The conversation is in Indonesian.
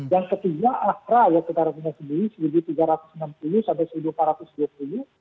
yang ketiga akra ya kita harus punya sendiri seribu tiga ratus enam puluh sampai seribu empat ratus dua puluh